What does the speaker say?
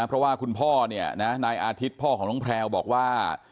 เพราะว่าคุณพ่อเนี่ยนะนายอาทิตย์พ่อของน้องแพลวบอกว่า